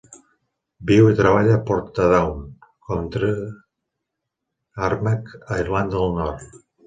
Viu i treballa a Portadown, County Armagh a Irlanda del Nord.